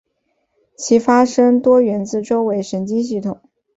其发生多源自周围神经系统。